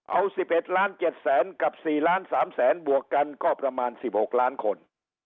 เอาสิบเอ็ดล้านเจ็ดแสนกับสี่ล้านสามแสนบวกกันก็ประมาณสิบหกล้านคน